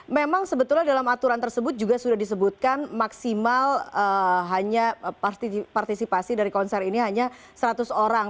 memang sebetulnya dalam aturan tersebut juga sudah disebutkan maksimal hanya partisipasi dari konser ini hanya seratus orang